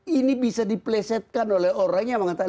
ini bisa diplesetkan oleh orang yang mengatakan